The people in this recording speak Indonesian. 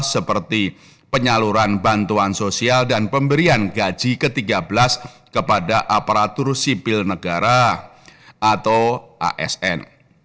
seperti penyaluran bantuan sosial dan pemberian gaji ke tiga belas kepada aparatur sipil negara atau asn